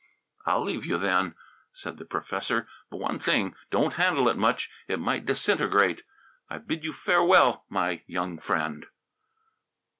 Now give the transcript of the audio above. "I'll leave you, then," said the professor. "But one thing, don't handle it much. It might disintegrate. I bid you farewell, my young friend."